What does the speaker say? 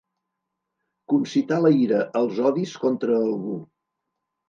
Concitar la ira, els odis, contra algú.